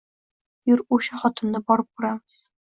Yur, o`sha xotinni borib ko`ramiz